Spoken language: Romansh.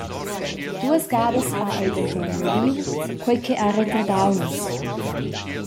Duas gadas ha ei denton neviu, quei che ha retardau nus.